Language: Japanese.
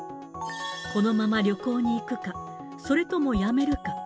このまま旅行に行くか、それともやめるか。